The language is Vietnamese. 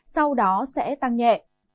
sau đó sẽ tăng nhẹ